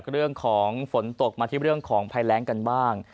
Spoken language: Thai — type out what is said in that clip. เรื่องของฝนตกมาที่เรื่องของภัยแรงกันบ้าง